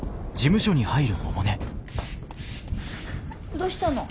どしたの？